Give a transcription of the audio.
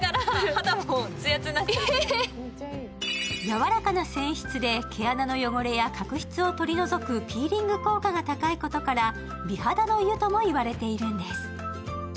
やわらかな泉質で毛穴の汚れや角質を取り除くピーリング効果が高いことから、美肌の湯とも言われているんです。